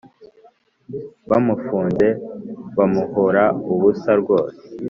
Bamufunze bamuhora ubusa rwose